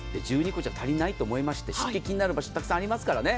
１２個じゃ足りないと思いまして湿気が気になる場所はたくさんありますからね。